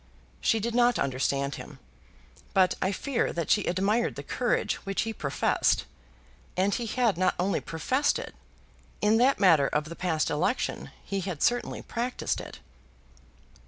She did not understand him, but I fear that she admired the kind of courage which he professed. And he had not only professed it: in that matter of the past election he had certainly practised it.